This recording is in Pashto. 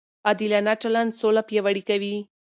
عادلانه چلند سوله پیاوړې کوي.